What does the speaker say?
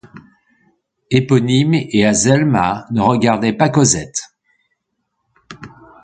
Éponine et Azelma ne regardaient pas Cosette.